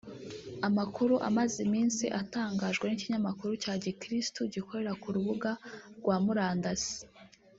Amakuru amaze iminsi atangajwe n’ ikinyamakuru cya Gikristo gikorera ku rubuga rwa murandasi